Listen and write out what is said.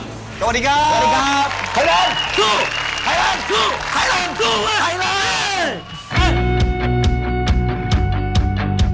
ไฮเลนสู้ไฮเลนสู้ไฮเลนสู้ไฮเลน